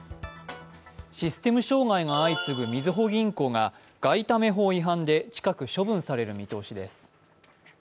システム障害が相次ぐみずほ銀行が外為法違反で近く、処分される見通しです。